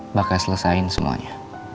mbak kak selesaikan semuanya